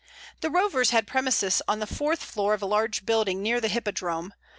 The Rovers had premises on the fourth floor of a large building near the Hippodrome.